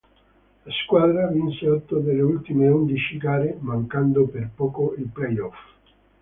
La squadra vinse otto delle ultime undici gare, mancando per poco i playoff.